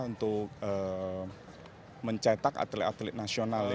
untuk mencetak atlet atlet nasional